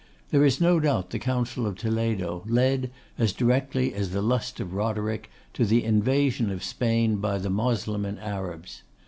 There is no doubt the Council of Toledo led, as directly as the lust of Roderick, to the invasion of Spain by the Moslemin Arabs.